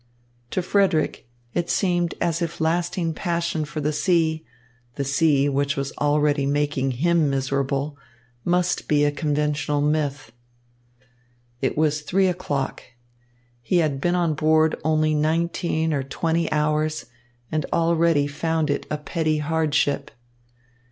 To Frederick, it seemed as if lasting passion for the sea the sea, which was already making him miserable must be a conventional myth. It was three o'clock. He had been on board only nineteen or twenty hours, and already found it a petty hardship.